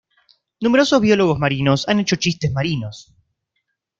Numerosos biólogos marinos han hecho chistes marinos.